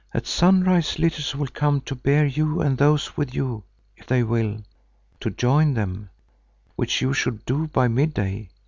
At sunrise litters will come to bear you and those with you if they will, to join them, which you should do by midday.